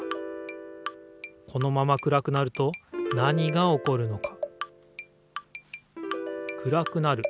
このまま暗くなると何がおこるのか？